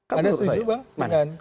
anda setuju bang